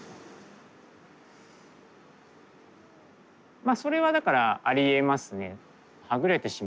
まあそれはだからありえますね。